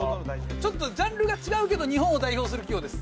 ちょっとジャンルが違うけど日本を代表する企業です。